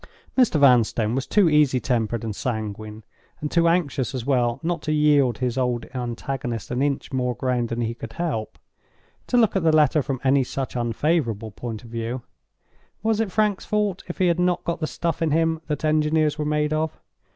Mr. Vanstone was too easy tempered and sanguine—and too anxious, as well, not to yield his old antagonist an inch more ground than he could help—to look at the letter from any such unfavorable point of view. Was it Frank's fault if he had not got the stuff in him that engineers were made of?